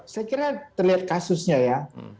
saya kira terlihat kasusnya ya